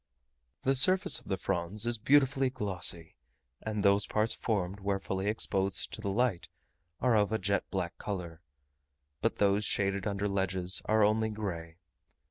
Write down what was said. The surface of the fronds is beautifully glossy; and those parts formed where fully exposed to the light are of a jet black colour, but those shaded under ledges are only grey.